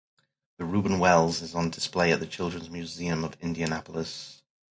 The "Reuben Wells" is on display at the Children's Museum of Indianapolis.